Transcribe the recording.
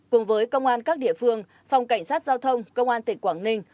cùng với công an các địa phương phòng cảnh sát giao thông công an tỉnh quảng ninh